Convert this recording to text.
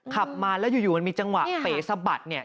ขับมาแล้วอยู่มันมีจังหวะเป๋สะบัดเนี่ย